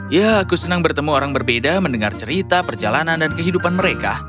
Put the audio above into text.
ya aku senang bertemu orang berbeda mendengar cerita perjalanan dan kehidupan mereka